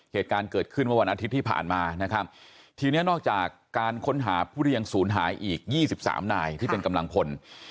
เหตุการณ์เกิดขึ้นเมื่อวันอาทิตย์ที่ผ่านมานะครับทีนี้นอกจากการค้นหาผู้เรียงศูนย์หายอีก๒๓นายที่เป็นกำลังพล